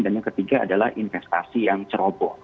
dan yang ketiga adalah investasi yang ceroboh